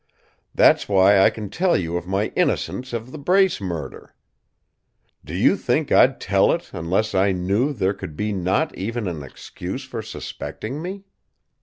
"That's why I can tell you of my innocence of the Brace murder. Do you think I'd tell it unless I knew there could be not even an excuse for suspecting me?